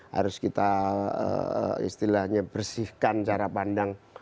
harus kita istilahnya bersihkan cara pandang